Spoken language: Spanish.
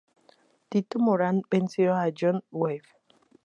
Tito Moran venció a Johnny Wave.